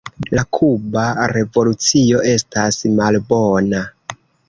La Kuba revolucio estas malbona.